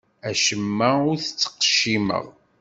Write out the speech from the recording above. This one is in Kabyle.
Acemma ur t-ttqeccimeɣ.